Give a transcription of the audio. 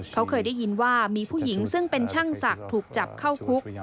เขาเคยได้ยินว่ามีผู้หญิงซึ่งเป็นช่างศักดิ์ถูกจับเข้าคุก